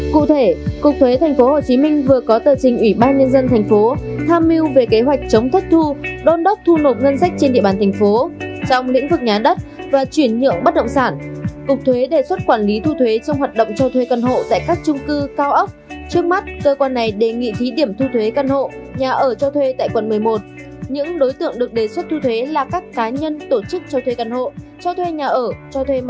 cụ thể cục thuế tp hcm vừa có tờ trình ủy ban nhân dân tp hcm